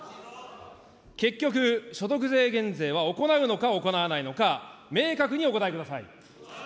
結局、所得税減税は行うのか行わないのか、明確にお答えください。